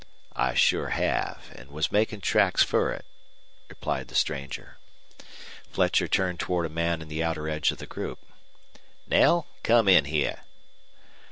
"I sure have, an' was makin' tracks fer it," replied the stranger. Fletcher turned toward a man in the outer edge of the group. "Knell, come in heah."